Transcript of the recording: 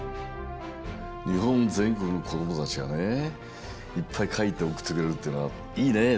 にほんぜんこくのこどもたちがねいっぱいかいておくってくれるっていうのはいいねえ。